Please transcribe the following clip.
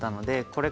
これ。